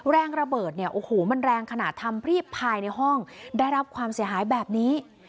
แรงระเบิดเนี่ยโอ้โหมันแรงขนาดทำรีบภายในห้องได้รับความเสียหายแบบนี้